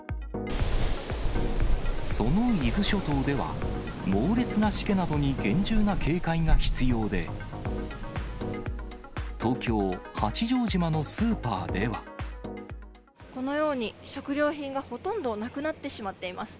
その伊豆諸島では、猛烈なしけなどに厳重な警戒が必要で、このように、食料品がほとんどなくなってしまっています。